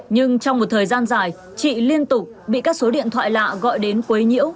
nhưng trong một thời gian dài chị liên tục bị các số điện thoại lạ gọi đến quấy nhiễu